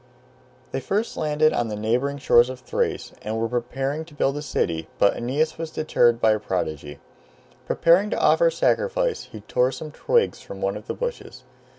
They first landed on the neighboring shores of Thrace, and were preparing to build a city, but Aeneas was deterred by a prodigy. Preparing to offer sacrifice, he tore some twigs from one of the bushes.